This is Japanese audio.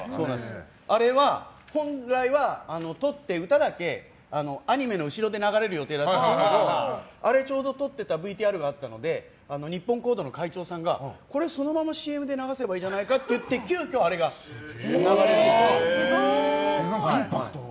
あれは本来は、とって歌だけアニメの後ろで流れる予定だったんですけどあれ、ちょうど撮ってたＶＴＲがあったので日本講堂の会長さんがこれそのままＣＭで流せばいいんじゃないって言って急きょあれが流れることになって。